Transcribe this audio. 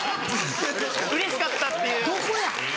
うれしかったっていう。